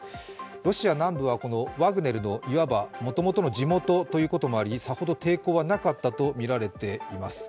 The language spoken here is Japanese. ロシア南部はワグネルのいわばもともとの地元ということもありさほど抵抗はなかったとみられています。